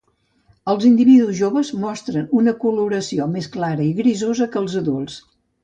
Els individus joves mostren una coloració més clara i grisosa que els adults.